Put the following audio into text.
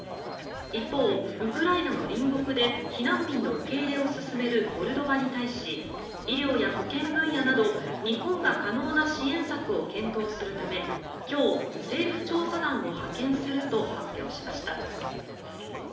一方、ウクライナの隣国で避難民の受け入れを進めるモルドバに対し医療や保健分野など日本が可能な支援策を検討するため今日、政府調査団を派遣すると発表しました。